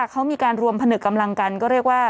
เขามีการรวมผนึกกำลังกันก็เรียกว่า